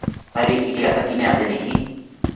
Ari riataki ñaateniki